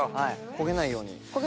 焦げないように。